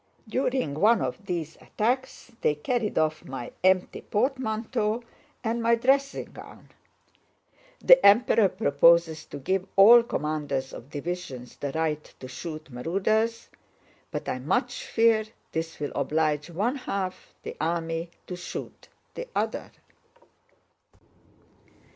During one of these attacks they carried off my empty portmanteau and my dressing gown. The Emperor proposes to give all commanders of divisions the right to shoot marauders, but I much fear this will oblige one half the army to shoot the other."